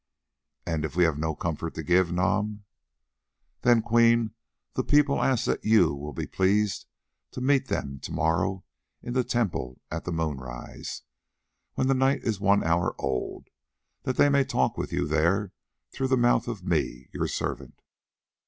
"And if we have no comfort to give, Nam?" "Then, Queen, the people ask that you will be pleased to meet them to morrow in the temple at the moon rise, when the night is one hour old, that they may talk with you there through the mouth of me, your servant."